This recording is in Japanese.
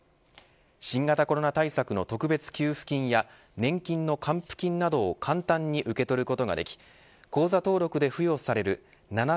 新型コロナ対策の特別給付金や年金の還付金などを簡単に受け取ることができ口座登録で付与される